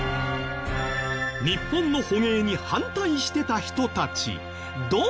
日本の捕鯨に反対してた人たちどうなった？